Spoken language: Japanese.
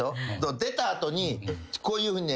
出た後にこういうふうにね。